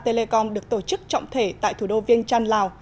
telecom được tổ chức trọng thể tại thủ đô viên trăn lào